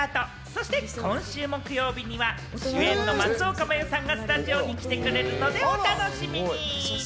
そして今週木曜日には主演の松岡茉優さんがスタジオに来てくれるので、お楽しみに。